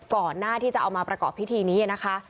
ก่อนหน้าที่จะเอามาประกอบพิธีนี้นะคะ